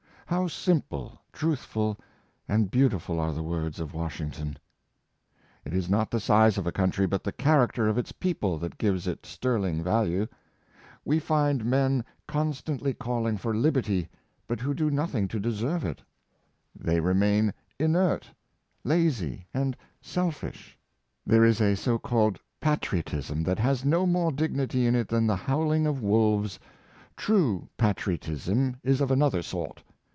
"" How simple, truthful, and beautiful are the words of Wash ington ! It is not the size of a country, but the character of its people, that gives it sterling value. We find men Arnold von Winhelried, 285 constantly calling for liberty, but who do nothing to deserve it. They remain inert, lazy and selfish. There is a so called patriotism that has no more dignity in it than the howling of wolves. True patriotism is of another sort.